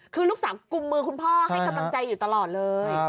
คือลูกสาวกุมมือคุณพ่อให้กำลังใจอยู่ตลอดเลย